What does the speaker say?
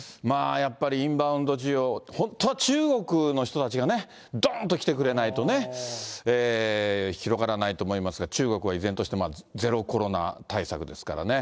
やっぱり、インバウンド需要、本当は中国の人たちがね、どーんと来てくれないとね、広がらないと思いますが、中国は依然としてゼロコロナ対策ですからね。